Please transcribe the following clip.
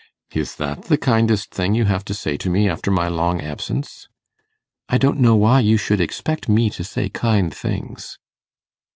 'Is that the kindest thing you have to say to me after my long absence?' 'I don't know why you should expect me to say kind things.